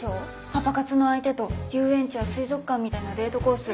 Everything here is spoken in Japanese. パパ活の相手と遊園地や水族館みたいなデートコース